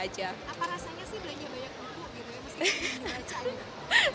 apa rasanya sih belanja banyak buku